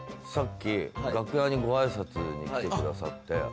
さっき楽屋にごあいさつに来てくださって。